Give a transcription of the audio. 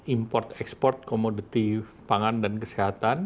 import ekspor komoditi pangan dan kesehatan